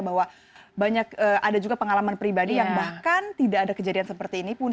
bahwa banyak ada juga pengalaman pribadi yang bahkan tidak ada kejadian seperti ini pun